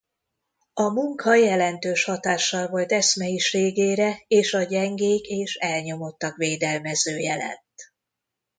A munka jelentős hatással volt eszmeiségére és a gyengék és elnyomottak védelmezője lett.